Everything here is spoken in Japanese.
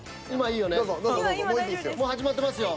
もう始まってますよ。